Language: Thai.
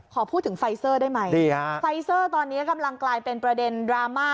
ขอพูดถึงไฟเซอร์ได้ไหมดีฮะไฟเซอร์ตอนนี้กำลังกลายเป็นประเด็นดราม่า